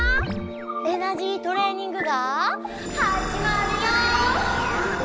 エナジートレーニングがはじまるよ！